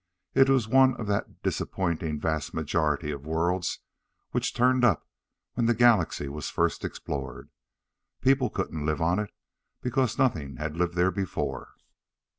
It was one of that disappointing vast majority of worlds which turned up when the Galaxy was first explored. People couldn't live on it because nothing had lived there before.